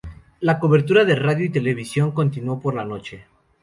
La cobertura de radio y televisión continuó por la noche.